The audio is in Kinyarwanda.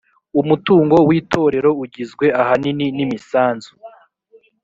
umutungo w itorero ugizwe ahanini n imisanzu